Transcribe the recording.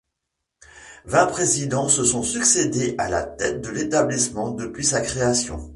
Vingt présidents se sont succédé à la tête de l'établissement depuis sa création.